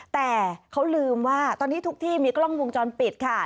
แต่เขาลืมว่าตอนนี้ทุกที่มีกล้องวงจรปิดค่ะ